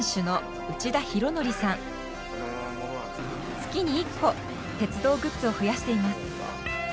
月に１個鉄道グッズを増やしています。